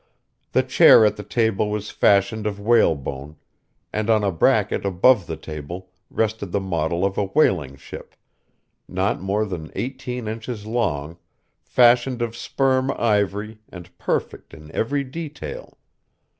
The chair at the table was fashioned of whalebone; and on a bracket above the table rested the model of a whaling ship, not more than eighteen inches long, fashioned of sperm ivory and perfect in every detail.